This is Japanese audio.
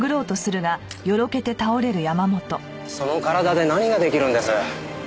その体で何が出来るんです？